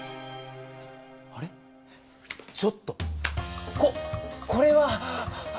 あれ⁉ちょっとここれは！